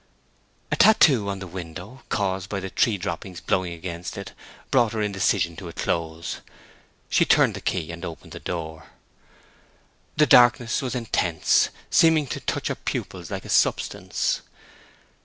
A tattoo on the window, caused by the tree droppings blowing against it, brought her indecision to a close. She turned the key and opened the door. The darkness was intense, seeming to touch her pupils like a substance.